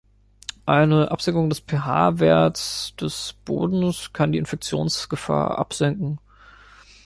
Eine Absenkung des pH-Wertes des Bodens kann die Infektionsgefahr absenken.